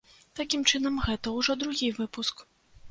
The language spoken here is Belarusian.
Такім чынам гэта ўжо другі выпуск.